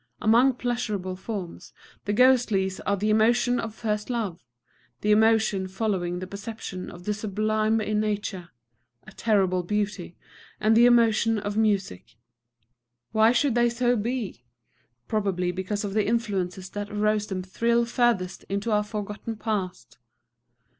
Among pleasurable forms, the ghostliest are the emotion of first love, the emotion following the perception of the sublime in nature of terrible beauty, and the emotion of music. Why should they so be? Probably because the influences that arouse them thrill furthest into our forgotten past.